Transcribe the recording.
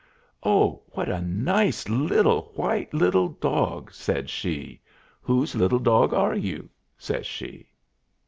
"Oh, what a nice little, white little dog!" said she. "Whose little dog are you?" says she.